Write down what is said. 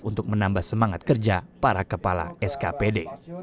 untuk menambah semangat kerja para kepala skpd